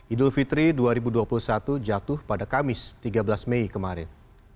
idul fitri dua ribu dua puluh satu jatuh pada kamis tiga belas mei kemarin